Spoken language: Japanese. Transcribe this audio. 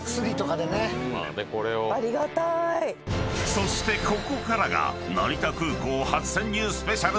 ［そしてここからが］